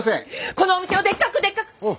このお店をでっかくでっか！